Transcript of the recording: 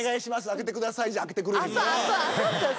開けてください」じゃ開けてくれへんから。